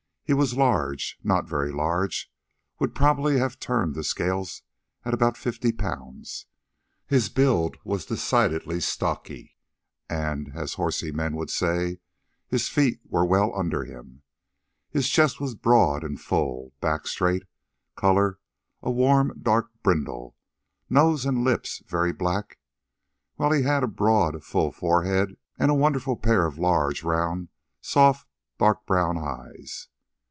He was large, not very large, would probably have turned the scales at about fifty pounds. His build was decidedly "stocky," and, as horsey men would say, his feet were well under him; his chest was broad and full, back straight, color a warm dark brindle, nose and lips very black, while he had a broad, full forehead and a wonderful pair of large, round, soft, dark brown eyes.